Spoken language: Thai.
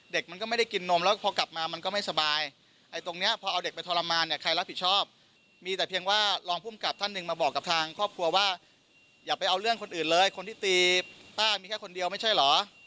มันก็ไม่ได้กินนมแล้วพอกลับมามันก็ไม่สบายไอ้ตรงเนี้ยพอเอาเด็กไปทรมานเนี่ยใครรับผิดชอบมีแต่เพียงว่ารองภูมิกับท่านหนึ่งมาบอกกับทางครอบครัวว่าอย่าไปเอาเรื่องคนอื่นเลยคนที่ตีป้ามีแค่คนเดียวไม่ใช่เหรอ